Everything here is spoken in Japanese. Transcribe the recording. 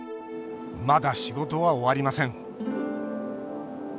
まだ仕事は終わりません。